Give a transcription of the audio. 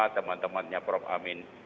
teman temannya prof amin